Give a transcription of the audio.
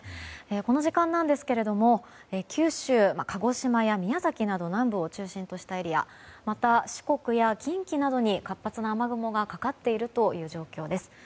この時間なんですが九州、鹿児島や宮崎など南部を中心としたエリアまた、四国や近畿などに活発な雨雲がかかっているという状況です。